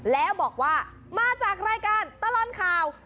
แล้วบอกว่ามาจากรายการตลอดข่าว